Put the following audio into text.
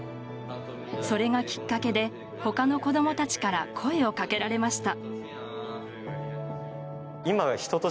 それがきっかけで他の子供たちから声をかけられました。